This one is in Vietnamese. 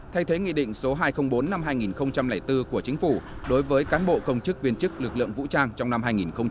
thay thế nghị định số hai trăm linh bốn năm hai nghìn bốn của chính phủ đối với cán bộ công chức viên chức lực lượng vũ trang trong năm hai nghìn một mươi chín